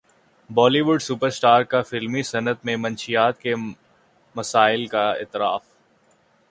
بولی would superstar کا فلمی صنعت میں منشیات کے مسئلے کا اعتراف